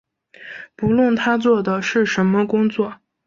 不论他做的是什么工作